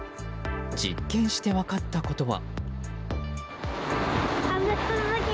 実験して分かったことは。